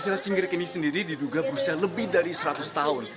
silat cingkrik ini sendiri diduga berusia lebih dari seratus tahun